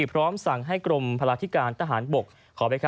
พร้อมสั่งให้กรมพลาธิการทหารบก